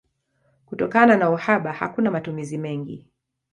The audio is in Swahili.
Kutokana na uhaba hakuna matumizi mengi.